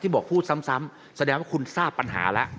บอกพูดซ้ำแสดงว่าคุณทราบปัญหาแล้ว